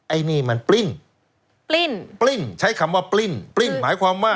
ไอ้นี่มันปลิ้นปลิ้นปลิ้นใช้คำว่าปลิ้นปลิ้นหมายความว่า